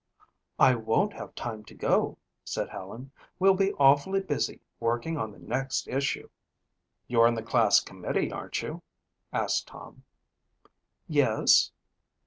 "I won't have time to go," said Helen. "We'll be awfully busy working on the next issue." "You're on the class committee, aren't you?" asked Tom. "Yes."